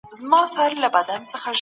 دوی غواړي چي غریبان کار کولو ته اړ کړي.